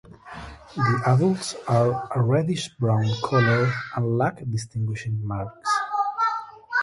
The adults are a reddish-brown colour and lack distinguishing marks.